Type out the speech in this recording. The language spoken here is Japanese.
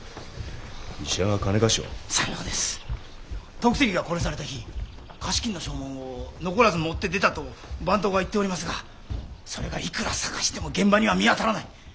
得石が殺された日貸金の証文を残らず持って出たと番頭が言っておりますがそれがいくら探しても現場には見当たらない。